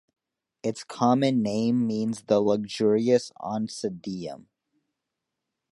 Its common name means “the luxurious Oncidiam”